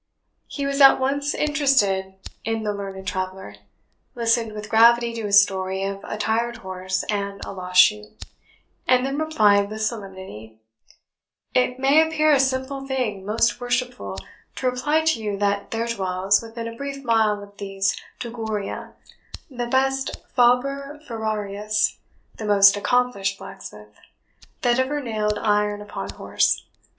He was at once interested in the learned traveller, listened with gravity to his story of a tired horse and a lost shoe, and then replied with solemnity, "It may appear a simple thing, most worshipful, to reply to you that there dwells, within a brief mile of these TUGURIA, the best FABER FERARIUS, the most accomplished blacksmith, that ever nailed iron upon horse.